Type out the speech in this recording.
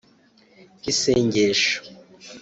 Isengesho